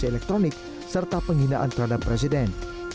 elektronik serta penghinaan terhadap presiden